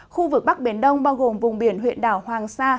khu vực bắc biển đông bao gồm vùng biển huyện đảo hoàng sa